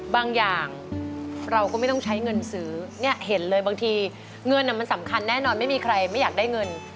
บางอย่างเราก็ไม่ต้องใช้เงินซื้อเนี่ยเห็นเลยบางทีเงินมันสำคัญแน่นอนไม่มีใครไม่อยากได้เงิน